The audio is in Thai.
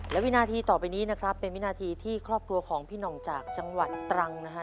และวินาทีต่อไปนี้นะครับเป็นวินาทีที่ครอบครัวของพี่หน่องจากจังหวัดตรังนะฮะ